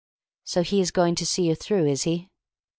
"So he is going to see you through, is he?"